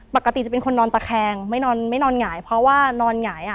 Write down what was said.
ปกติจะเป็นคนนอนตะแคงไม่นอนไม่นอนหงายเพราะว่านอนหงายอ่ะ